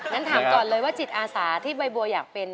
งั้นถามก่อนเลยว่าจิตอาสาที่ใบบัวอยากเป็น